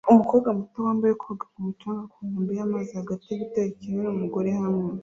Umukobwa muto wambaye koga ku mucanga ku nkombe yamazi hagati yigitare kinini Umugore hamwe